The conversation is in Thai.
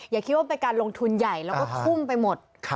อย่าคิดว่าเป็นการลงทุนใหญ่แล้วก็ทุ่มไปหมด